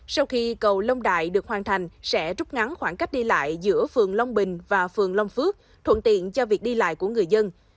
sau khi cầu long đại được hoàn thành sẽ trút ngắn khoảng cách đi lại giữa phường long bình và phường long phước thuận tiện cho việc đi lại của người dân